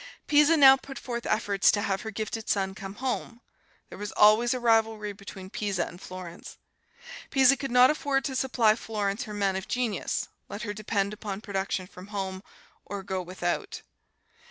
Pisa now put forth efforts to have her gifted son come home. There was always rivalry between Pisa and Florence. Pisa could not afford to supply Florence her men of genius let her depend upon production from home, or go without.